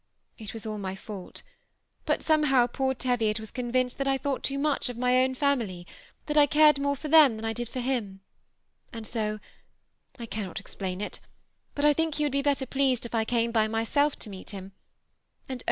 It was all my fault, but somehow poor Teviot was con vinced that I thought too much of my own family; that I cared more for them than I did for him; and fio, — I cannot explain it, but I think he would be better pleased if I came by myself to meet him ; and oh!